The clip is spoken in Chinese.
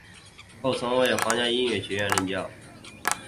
后曾在皇家音乐学院任教。